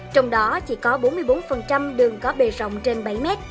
trong đó chỉ có bốn mươi bốn đường có bề rộng trên bảy m